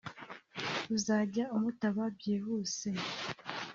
uzajya umutaba byihuse